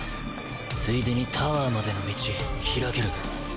ついでにタワーまでの道拓けるか？